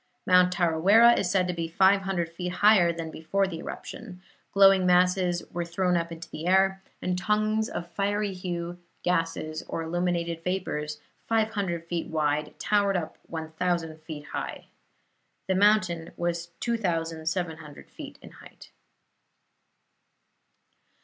Mount Tarawera is said to be five hundred feet higher than before the eruption; glowing masses were thrown up into the air, and tongues of fiery hue, gases or illuminated vapors, five hundred feet wide, towered up one thousand feet high. The mountain was 2,700 feet in height.